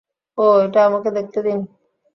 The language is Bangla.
ওহ, এটা, আমাকে দেখতে দিন।